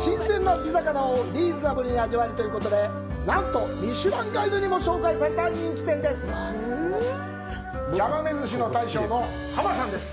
新鮮な地魚をリーズナブルに味わえるということでミシュランガイドにも紹介された人気店なんです。